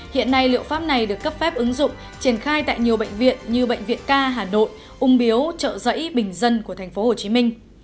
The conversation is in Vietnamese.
hiện nay liệu pháp này được cấp phép ứng dụng triển khai tại nhiều bệnh viện như bệnh viện ca hà nội ung biếu chợ rẫy bình dân của tp hcm